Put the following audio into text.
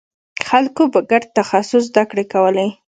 خلکو به ګډ تخصص زدکړې کولې.